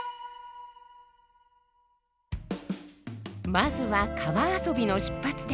まずは川遊びの出発点